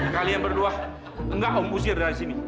kalian berdua enggak omusir dari sini